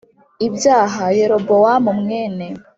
Ibyaha yerobowamu mwene